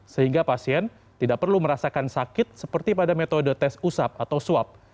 sehingga pasien tidak perlu merasakan sakit seperti pada metode tes usap atau swab